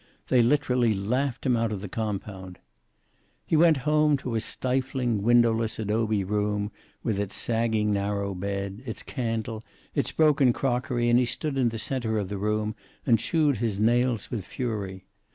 They literally laughed him out of the compound. He went home to his stifling, windowless adobe room, with its sagging narrow bed, its candle, its broken crockery, and he stood in the center of the room and chewed his nails with fury.